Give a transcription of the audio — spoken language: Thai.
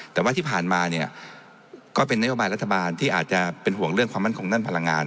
แต่ว่าที่ผ่านมาเนี่ยก็เป็นนโยบายรัฐบาลที่อาจจะเป็นห่วงเรื่องความมั่นคงด้านพลังงาน